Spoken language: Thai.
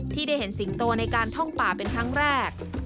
ที่ได้เห็นสิงโตในการท่องป่าเป็นครั้งแรก